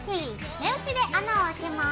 目打ちで穴を開けます。